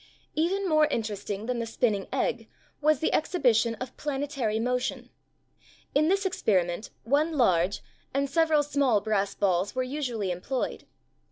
Even more interesting than the spinning egg was the exhibition of planetary motion. In this experiment one large, and several small brass balls were usually employed.